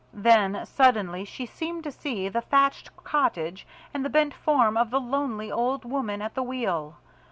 Then suddenly she seemed to see the thatched cottage and the bent form of the lonely old woman at the wheel.